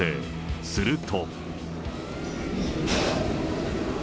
すると。